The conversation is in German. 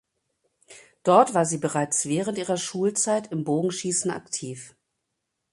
Dort war sie bereits während ihrer Schulzeit im Bogenschießen aktiv.